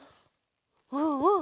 うんうん。